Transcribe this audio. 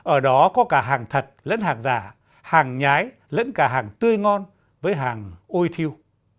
ở đó có cả hàng thật lẫn hàng giả hàng nhái lẫn cả hàng tươi ngon với hàng ôi thiêu